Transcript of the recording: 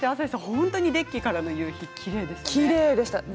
本当にデッキからの夕日きれいでしたね。